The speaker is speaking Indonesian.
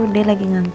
dari yang mana itu